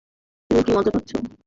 তুমি কি মজা করছ?